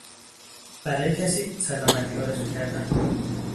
برای کسی سلامتی آرزو کردن